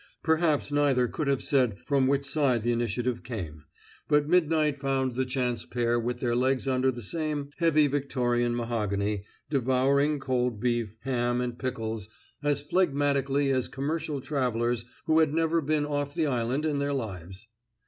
Perhaps neither could have said from which side the initiative came; but midnight found the chance pair with their legs under the same heavy Victorian mahogany, devouring cold beef, ham and pickles as phlegmatically as commercial travelers who had never been off the island in their lives.